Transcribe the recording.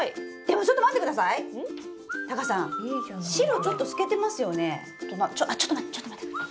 ちょっと待ってちょっと待って。